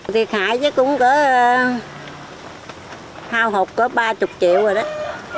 thiệt hại chứ cũng có thao hộp có ba mươi triệu rồi đấy